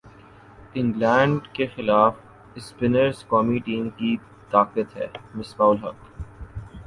England کیخلاف spinners قومی team کی طاقت ہیں مصباح الحق